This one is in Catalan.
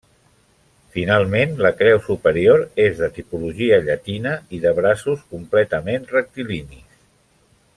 Finalment, la creu superior és de tipologia llatina i de braços completament rectilinis.